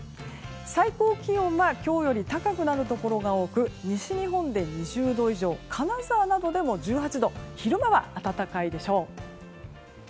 最高気温は今日より高くなるところが多く西日本で２０度以上金沢などでも１８度と昼間は暖かいでしょう。